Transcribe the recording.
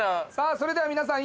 それでは皆さん